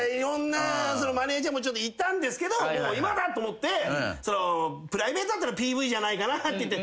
マネージャーもいたんですけど今だと思ってプライベートだったらＰＶじゃないかなって言って。